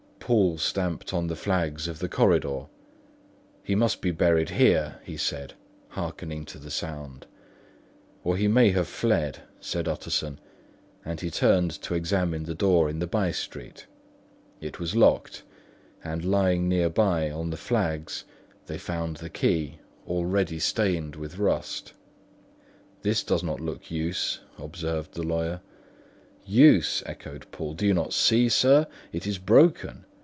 Poole stamped on the flags of the corridor. "He must be buried here," he said, hearkening to the sound. "Or he may have fled," said Utterson, and he turned to examine the door in the by street. It was locked; and lying near by on the flags, they found the key, already stained with rust. "This does not look like use," observed the lawyer. "Use!" echoed Poole. "Do you not see, sir, it is broken?